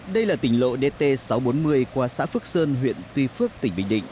đây là tỉnh lộ dt sáu trăm bốn mươi qua xã phước sơn huyện tuy phước tỉnh bình định